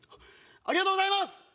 ありがとうございます！